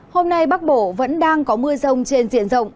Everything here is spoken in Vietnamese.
hôm nay bắc bộ vẫn đang có mưa rông trên diện rộng